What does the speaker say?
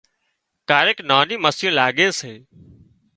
ڪاريڪ ناني مسيون لاڳي سي